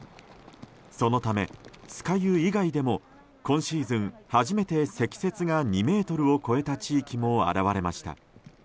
そのため、酸ヶ湯以外でも今シーズン初めて積雪が２ｍを超えた地域も現れました。